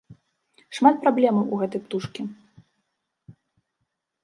Шмат праблемаў у гэтай птушкі.